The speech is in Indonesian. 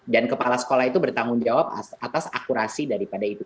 dan kepala sekolah itu bertanggung jawab atas akurasi daripada itu